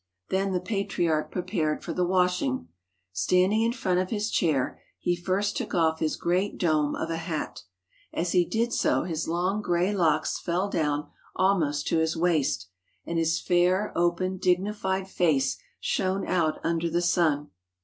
Then the Patriarch prepared for the washing. Stand ing in front of his chair, he first took off his great dome of a hat. As he did so his long gray locks fell down almost to his waist and his fair, open, dignified face shone out under the sun.